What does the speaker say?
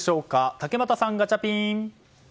竹俣さん、ガチャピン！